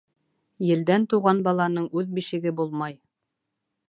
Елдән тыуған баланың үҙ бишеге булмай.